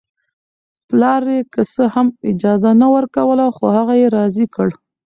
پلار یې که څه هم اجازه نه ورکوله خو هغه یې راضي کړ